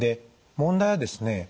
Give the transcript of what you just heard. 問題はですね